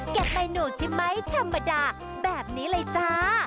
แกะเมนูใช่ไหมธรรมดาแบบนี้เลยจ้า